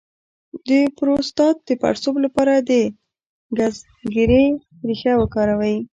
د پروستات د پړسوب لپاره د ګزګیرې ریښه وکاروئ